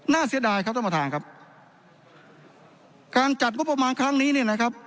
เสียดายครับท่านประธานครับการจัดงบประมาณครั้งนี้เนี่ยนะครับ